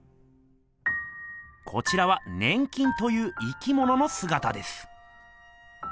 こちらは粘菌という生きもののすがたです。